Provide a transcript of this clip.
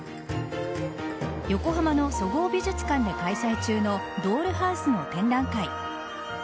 横浜のそごう美術館で開催中のドールハウスの展覧会。